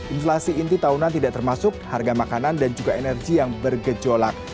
inflasi inti tahunan tidak termasuk harga makanan dan juga energi yang bergejolak